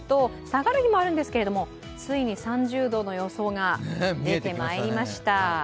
下がる日もあるんですが、ついに３０度の予想が見えてまいりました。